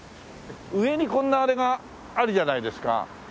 上にこんなあれがあるじゃないですか。